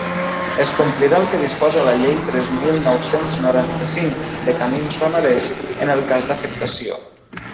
Es complirà el que disposa la Llei tres de mil nou-cents noranta-cinc, de camins ramaders, en el cas d'afectació.